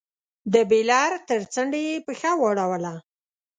د بېلر تر څنډې يې پښه واړوله.